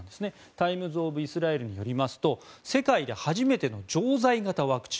タイムズ・オブ・イスラエルによりますと、世界で初めての錠剤型ワクチン。